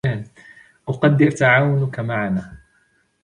أقدر تعاونك معنا.